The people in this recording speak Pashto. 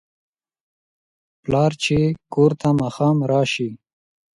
پلار چې کور ته ماښام راشي